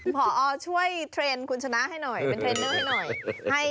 พอช่วยเทรนด์คุณชนะให้หน่อยเป็นเทรนเนอร์ให้หน่อย